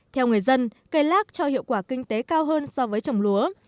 theo người dân cây lác cho hiệu quả kinh tế cao hơn so với trồng lúa